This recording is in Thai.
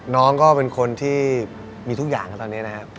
น้องก็เป็นคนที่มีทุกอย่างตอนนี้นะครับ